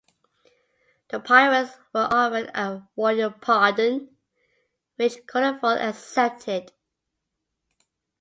The pirates were offered a royal pardon, which Culliford accepted.